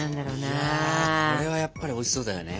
いやこれはやっぱりおいしそうだよね。